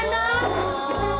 ya allah ma